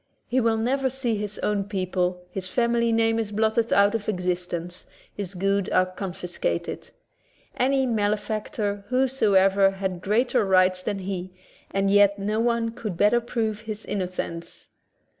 He will never see his own people, his family name is blotted out of existence, his goods are con fiscated. Any malefactor whosoever has greater rights than he, and yet no one could better prove his innocence.